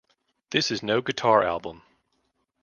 This is no guitar album.